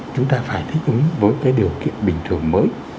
chúng ta phải thích ứng với cái điều kiện bình thường mới